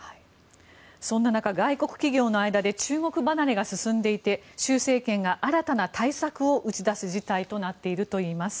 そんな中、外国企業の間で中国離れが進んでいて習政権が新たな対策を打ち出す事態となっているといいます。